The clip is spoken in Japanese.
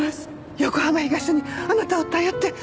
横浜東署にあなたを頼って。